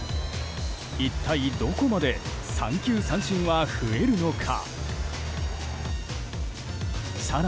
一体どこまで三球三振は増えるのか。